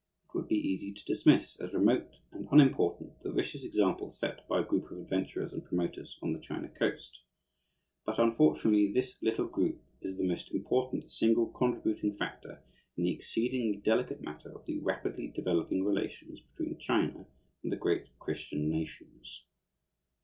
It would be easy to dismiss as remote and unimportant the vicious example set by a group of adventurers and promoters on the China Coast; but unfortunately this little group is the most important single contributing factor in the exceedingly delicate matter of the rapidly developing relations between China and the great Christian nations.